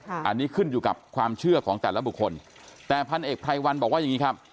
อันนี้ขึ้นอยู่กับความเชื่อของแต่ละบุคคลแต่พันเอกไพรวันบอกว่าอย่างนี้ครับ